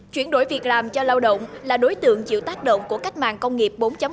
chuyển đổi việc làm cho lao động là đối tượng chịu tác động của cách mạng công nghiệp bốn